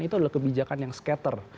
itu adalah kebijakan yang skater